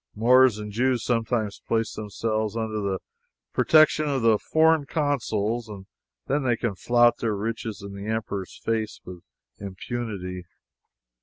Moors and Jews sometimes place themselves under the protection of the foreign consuls, and then they can flout their riches in the Emperor's face with impunity.